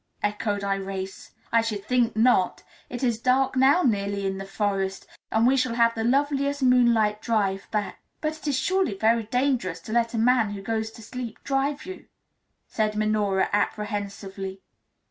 echoed Irais, "I should think not. It is dark now nearly in the forest, and we shall have the loveliest moonlight drive back." "But it is surely very dangerous to let a man who goes to sleep drive you," said Minora apprehensively.